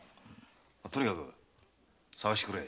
とにかく捜してくれ。